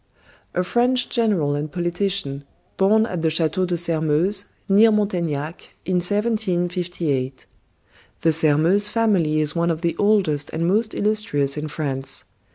A French general and politician, born at the chateau de Sairmeuse, near Montaignac, in 1758. The Sairmeuse family is one of the oldest and most illustrious in France.